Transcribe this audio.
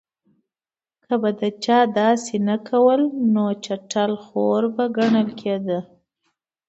که به چا داسې نه کول نو چټل خور به ګڼل کېده.